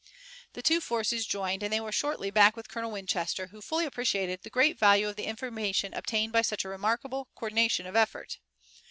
The two forces joined and they were shortly back with Colonel Winchester, who fully appreciated the great value of the information obtained by such a remarkable coordination of effort.